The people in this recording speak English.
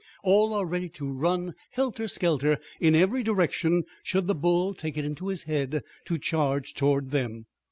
All are ready to run helter skelter in every direction should the bull take it into his head to charge toward them.